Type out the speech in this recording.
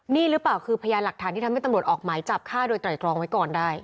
นี่หรือเปล่าคือพยานหลักฐานที่ทำให้ตำรวจออกหมายจับฆ่าโดยไตรตรองไว้ก่อนได้